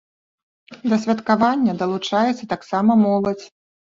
Да святкавання далучаецца таксама моладзь.